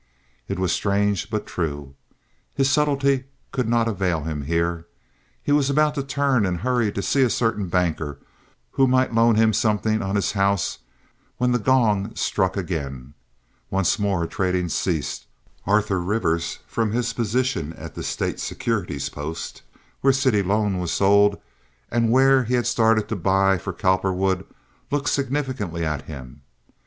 It was strange but true. His subtlety could not avail him here. He was about to turn and hurry to see a certain banker who might loan him something on his house, when the gong struck again. Once more trading ceased. Arthur Rivers, from his position at the State securities post, where city loan was sold, and where he had started to buy for Cowperwood, looked significantly at him.